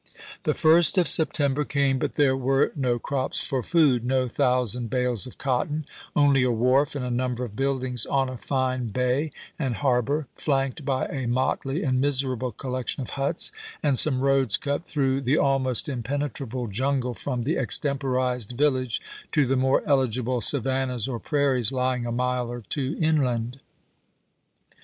1863. The 1st of September came, but there were no crops for food, no thousand bales of cotton ; only a wharf and a number of buildings on a fine bay and harbor, flanked by a motley and miserable collec tion of huts ; and some roads cut through the almost impenetrable jungle from the extemporized village to the more eligible savannahs or prairies lying a mile or two inland.